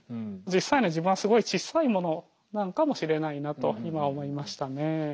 実際の自分はすごいちっさいものなのかもしれないなと今思いましたね。